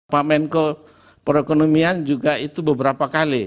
pak menko perekonomian juga itu beberapa kali